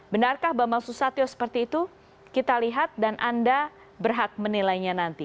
benarkah bambang susatyo seperti itu kita lihat dan anda berhak menilainya nanti